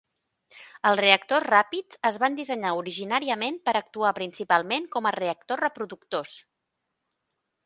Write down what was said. Els reactors ràpids es van dissenyar originàriament per actuar principalment com a reactors reproductors.